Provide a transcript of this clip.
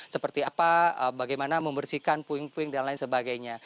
seperti apa bagaimana membersihkan puing puing dan lain sebagainya